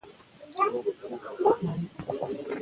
تنوع د افغانستان د جغرافیوي تنوع مثال دی.